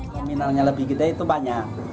nominalnya lebih gede itu banyak